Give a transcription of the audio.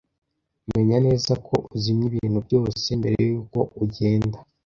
Menya neza ko uzimya ibintu byose mbere yuko ugenda.